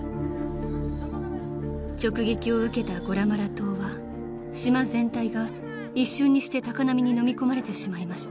［直撃を受けたゴラマラ島は島全体が一瞬にして高波にのみ込まれてしまいました］